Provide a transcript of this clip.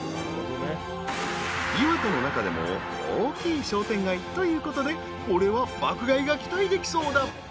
［磐田の中でも大きい商店街ということでこれは爆買いが期待できそうだ］